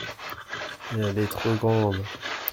Elle est trop grande.